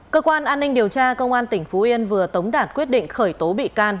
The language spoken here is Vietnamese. cơ quan an ninh điều tra công an tỉnh phú yên vừa tống đạt quyết định khởi tố bị can